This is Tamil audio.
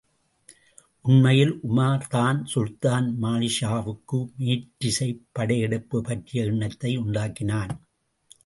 உண்மையில் உமார்தான் சுல்தான் மாலிக்ஷாவுக்கு மேற்றிசைப் படையெடுப்புப் பற்றிய எண்ணத்தை உண்டாக்கினான்.